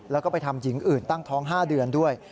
แล้วก็ไปทำหญิงอื่นตั้งท้อง๕เดือนด้วย